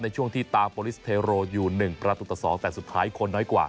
ช่วงที่ตามโปรลิสเทโรอยู่๑ประตูต่อ๒แต่สุดท้ายคนน้อยกว่า